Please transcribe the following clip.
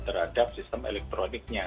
terhadap sistem elektroniknya